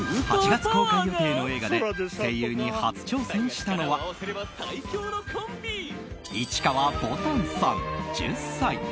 ８月公開予定の映画で声優に初挑戦したのは市川ぼたんさん、１０歳。